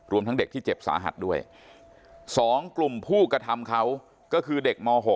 ทั้งเด็กที่เจ็บสาหัสด้วย๒กลุ่มผู้กระทำเขาก็คือเด็กม๖